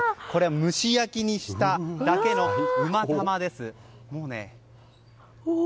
蒸し焼きにしただけのうま玉です。